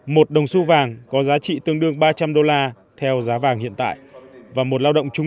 một đồng su vàng có giá trị tương đương ba trăm linh đô la theo giá vàng hiện tại và một lao động trung